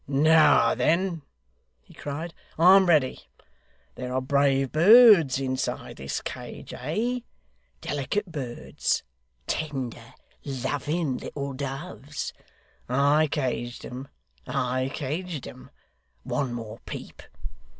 'Now then,' he cried, 'I'm ready. There are brave birds inside this cage, eh? Delicate birds, tender, loving, little doves. I caged 'em I caged 'em one more peep!